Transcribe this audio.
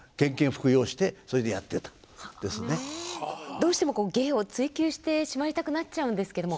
どうしても芸を追究してしまいたくなっちゃうんですけども。